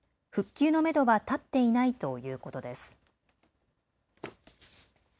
復旧のめどは立っていないということです。